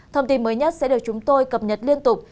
thông tin mới nhất sẽ được chúng tôi cập nhật liên tục